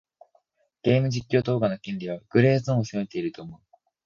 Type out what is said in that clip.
ゲーム実況動画の権利はグレーゾーンを攻めていると思う。